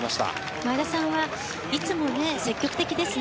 前田さんはいつも積極的ですね。